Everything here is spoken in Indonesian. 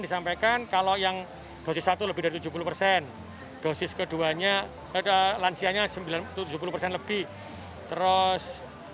disampaikan kalau yang dosis satu lebih dari tujuh puluh persen dosis keduanya ada lansianya sembilan ratus tujuh puluh persen lebih terus